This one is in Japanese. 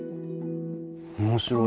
面白い。